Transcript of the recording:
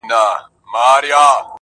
ستا آواز به زه تر عرشه رسومه!